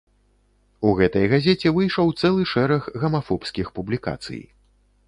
У гэтай газеце выйшаў цэлы шэраг гамафобскіх публікацый.